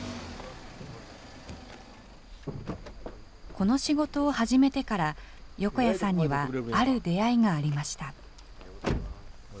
この仕事を始めてから、横家さんにはある出会いがありました。